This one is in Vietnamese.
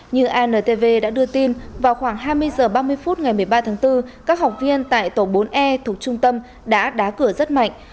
như antv đã đưa tin vào khoảng hai mươi h ba mươi phút ngày một mươi ba tháng bốn các học viên tại tổ bốn e thuộc trung tâm đã đá cửa rất mạnh